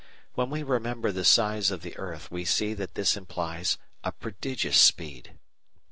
When we remember the size of the earth we see that this implies a prodigious speed.